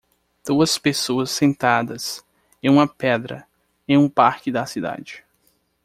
Duas pessoas sentadas em uma pedra em um parque da cidade.